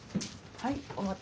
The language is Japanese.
はい。